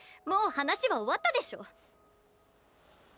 もう話は終わったでしょ。